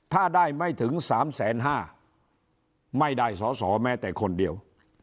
ถ้าได้ไม่ถึง๓๕๐๐ไม่ได้สอสอแม้แต่คนเดียว